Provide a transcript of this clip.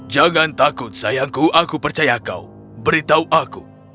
jangan takut sayangku aku percaya kau beritahu aku